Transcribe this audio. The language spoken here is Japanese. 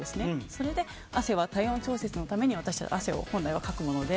それで、汗は体温調節のために本来はかくもので。